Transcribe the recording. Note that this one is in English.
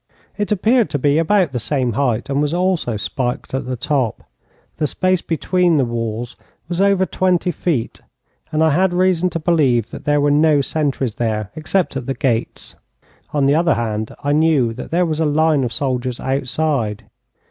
It appeared to be about the same height, and was also spiked at the top. The space between the walls was over twenty feet, and I had reason to believe that there were no sentries there, except at the gates. On the other hand, I knew that there was a line of soldiers outside.